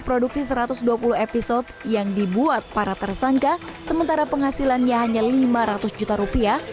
produksi satu ratus dua puluh episode yang dibuat para tersangka sementara penghasilannya hanya lima ratus juta rupiah